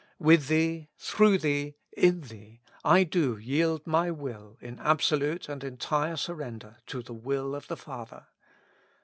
With Thee, through Thee, in Thee, I do yield my will in absolute and entire surrender to the will of the Father.